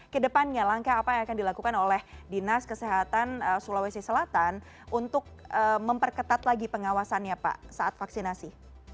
kedepannya langkah apa yang akan dilakukan oleh dinas kesehatan sulawesi selatan untuk memperketat lagi pengawasannya pak saat vaksinasi